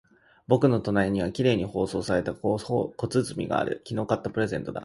僕の隣には綺麗に包装された小包がある。昨日買ったプレゼントだ。